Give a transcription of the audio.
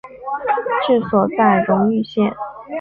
治所在荣懿县。